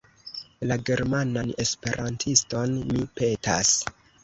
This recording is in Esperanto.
La »Germanan Esperantiston« mi petas.